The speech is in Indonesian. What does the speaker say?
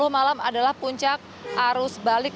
sepuluh malam adalah puncak arus balik